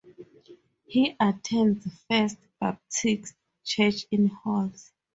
He attends First Baptist Church in Halls.